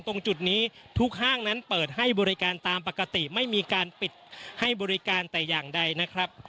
ตรงจุดนี้ทุกห้างนั้นเปิดให้บริการตามปกติไม่มีการปิดให้บริการแต่อย่างใดนะครับ